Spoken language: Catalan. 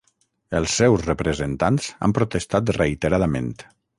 Els seus representants han protestat reiteradament.